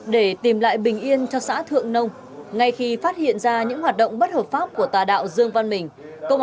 để tìm lại bình yên cho xã thượng nông ngay khi phát hiện ra những hoạt động bất hợp pháp của tà đạo dương văn mình